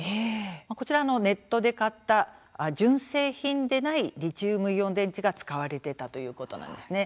こちら、ネットで買った純正品でないリチウムイオン電池が使われたということなんです。